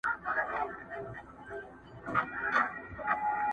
غلیم وایي پښتون پرېږدی چي بیده وي.